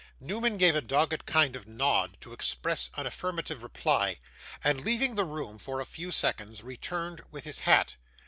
Newman gave a dogged kind of nod to express an affirmative reply, and, leaving the room for a few seconds, returned with his hat.